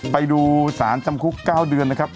ไปดูสารจำคุก๙เดือนนะครับ